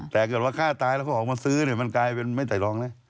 แต่เกิดว่าฆ่าตายแล้วก็ออกมาซื้อเนี่ยมันกลายเป็นไม่ไต่รองนะ